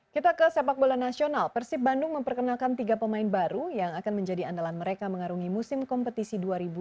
kita ke sepak bola nasional persib bandung memperkenalkan tiga pemain baru yang akan menjadi andalan mereka mengarungi musim kompetisi dua ribu dua puluh